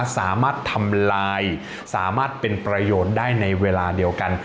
สามารถทำลายสามารถเป็นประโยชน์ได้ในเวลาเดียวกัน